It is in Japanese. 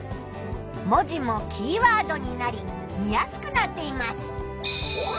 文字もキーワードになり見やすくなっています。